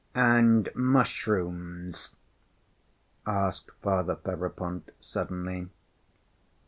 "And mushrooms?" asked Father Ferapont, suddenly.